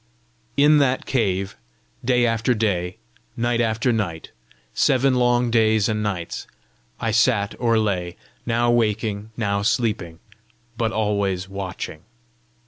In that cave, day after day, night after night, seven long days and nights, I sat or lay, now waking now sleeping, but always watching.